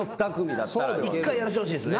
一回やらしてほしいですね。